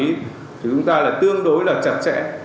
thì chúng ta là tương đối là chặt chẽ